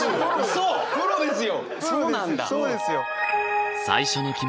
そうですよ！